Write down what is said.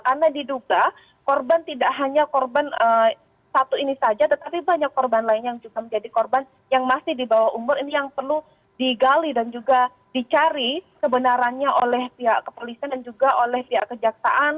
karena diduga korban tidak hanya korban satu ini saja tetapi banyak korban lainnya yang juga menjadi korban yang masih di bawah umur ini yang perlu digali dan juga dicari kebenarannya oleh pihak kepolisian dan juga oleh pihak kejaksaan